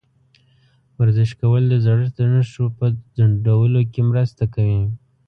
ورزش کول د زړښت د نښو په ځنډولو کې مرسته کوي.